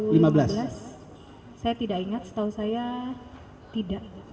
saya tidak ingat setahu saya tidak